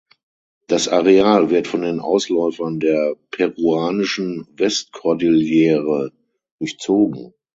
Das Areal wird von den Ausläufern der peruanischen Westkordillere durchzogen.